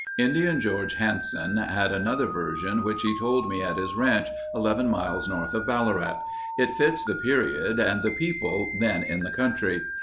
Indian George Hansen had another version which he told me at his ranch 11 miles north of Ballarat. It fits the period and the people then in the country.